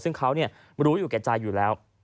ซึ่งเขารู้อยู่แก่ใจอยู่แล้ว